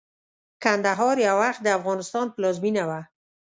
کندهار يٶوخت دافغانستان پلازمينه وه